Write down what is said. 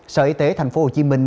sở y tế thành phố hồ chí minh